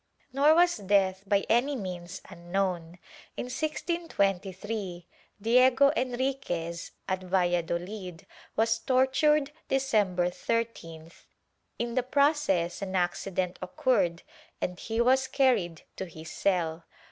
"^ Nor was death by any means unknown. In 1623, Diego Enrfquez, at Valladolid, was tortured December 13th. In the process an "accident" occurred and he was carried to his cell.